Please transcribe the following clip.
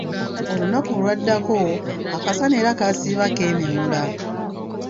Olunaku olwaddako, akasana era kaasiiba keememula.